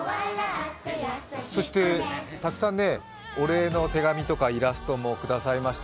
そしてたくさんお礼の手紙とかイラストもくださいました。